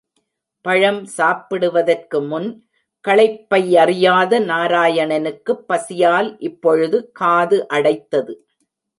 பழம் சாப்பிடுவதற்கு முன், களைப்பையறியாத நாராயணனுக்குப் பசியால் இப்பொழுது காது அடைத்தது.